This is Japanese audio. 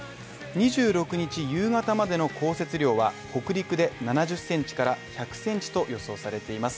２６日夕方までの降雪量は、北陸で７０センチから１００センチと予想されています